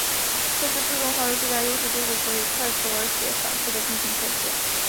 测试自动化的最大优势就是可以快速而且反覆的进行测试。